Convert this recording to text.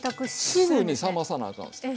すぐに冷まさなあかんですね。